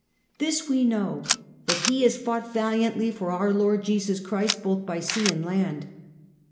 This we know, that he has fought valiantly for our Lord Jesus Christ both by sea and land.